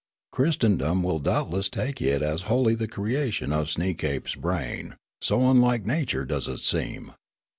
Christ endom will doubtless take it as wholly the creation of Sneekape's brain, so unlike nature does it seem.